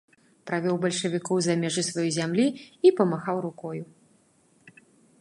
Правёў бальшавікоў за межы сваёй зямлі і памахаў рукою.